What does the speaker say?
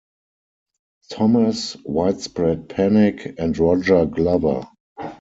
Thomas, Widespread Panic, and Roger Glover.